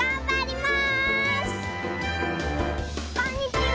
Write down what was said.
こんにちは！